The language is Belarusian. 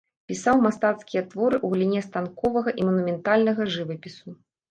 Пісаў мастацкія творы ў галіне станковага і манументальнага жывапісу.